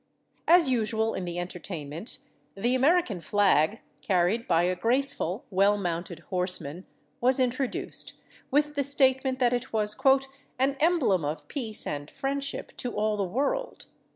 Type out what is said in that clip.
As usual in the entertainment the American flag, carried by a graceful, well mounted horseman, was introduced, with the statement that it was "an emblem of peace and friendship to all the world."